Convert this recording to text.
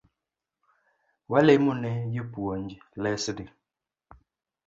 Walemone jopuonj lesni